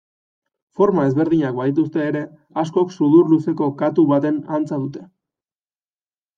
Forma ezberdinak badituzte ere askok sudur-luzeko katu baten antza dute.